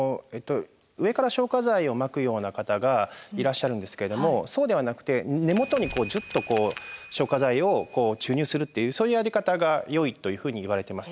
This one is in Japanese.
上から消火剤をまくような方がいらっしゃるんですけれどもそうではなくて根元にジュッとこう消火剤を注入するっていうそういうやり方がよいというふうにいわれてます。